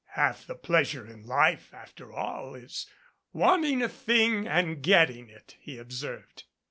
"Half the pleasure in life, after all, is wanting a thing and getting it," he observed.